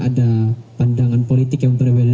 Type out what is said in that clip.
ada pandangan politik yang berbeda